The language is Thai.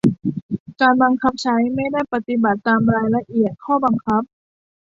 การบังคับใช้ไม่ได้ปฏิบัติตามรายละเอียดข้อบังคับ